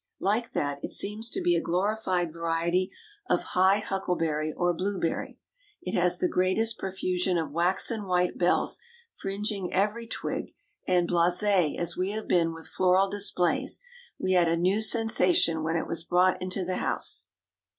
Like that, it seems to be a glorified variety of high huckleberry or blueberry. It has the greatest profusion of waxen white bells fringing every twig; and, blasé as we have been with floral displays, we had a new sensation when it was brought into the house.